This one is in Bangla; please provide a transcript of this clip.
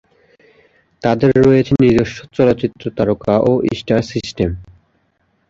তাদের রয়েছে নিজস্ব চলচ্চিত্র তারকা বা স্টার সিস্টেম।